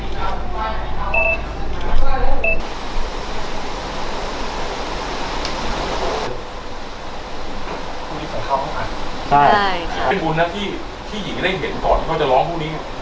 ถ้าค้าวมาฆ่าอะไรค่ะเป็นบุญนะพี่ที่หญิงไม่ได้เห็นก่อนที่เขาจะร้องพวกนี้อ่ะ